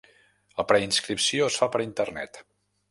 La preinscripció es fa per internet.